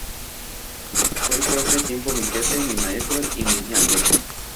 Fue al propio tiempo mi jefe, mi maestro y mi amigo.